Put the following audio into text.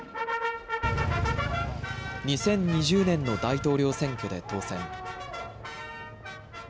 ２０２０年の大統領選挙で当選。